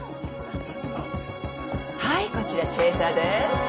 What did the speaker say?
はいこちらチェーサーです。